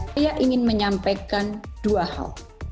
saya ingin menyampaikan dua hal